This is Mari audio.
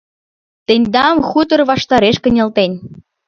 Тендам хутор ваштареш кынелтен.